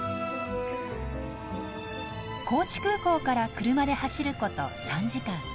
高知空港から車で走ること３時間。